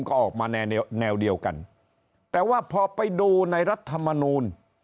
ก็ออกมาแนวแนวเดียวกันแต่ว่าพอไปดูในรัฐมนูล